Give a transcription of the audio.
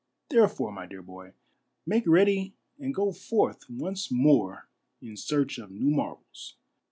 Therefore, my dear boy, make ready ai;d go forth once more in search of new marvels.